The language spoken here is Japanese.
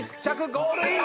ゴールイン！